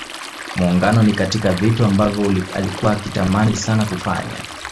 Muungano ni katika vitu ambavyo alikua akitamani sana kufanya